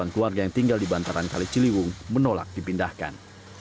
sembilan ratus dua puluh delapan keluarga yang tinggal di bantaran kaliciliwung menolak dipindahkan